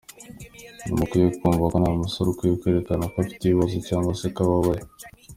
Ntimukwiye kumva ko nta musore ukwiye kwerekana ko afite ikibazo cyangwa se ko ababaye.